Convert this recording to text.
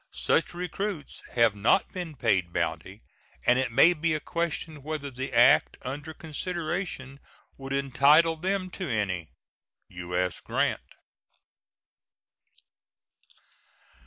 Such recruits have not been paid bounty, and it may be a question whether the act under consideration would entitle them to any. U.S. GRANT.